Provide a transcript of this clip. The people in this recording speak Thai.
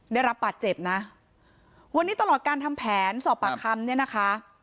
ได้รับบาดเจ็บนะวันนี้ตลอดการทำแผนสอบปากคำเนี่ยนะคะ